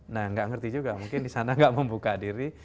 nah tidak mengerti juga mungkin di sana tidak membuka diri